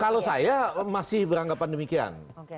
kalau saya masih beranggapan demikian